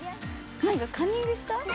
なんかカンニングした？